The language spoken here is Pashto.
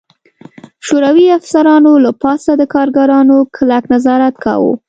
شوروي افسرانو له پاسه د کارګرانو کلک نظارت کاوه